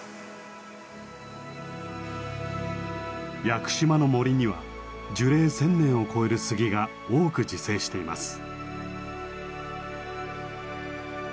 屋久島の森には樹齢１，０００年を超える杉が多く自生しています。